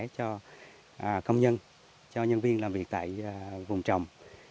cho công nhân cho nhân viên làm việc tại vùng trồng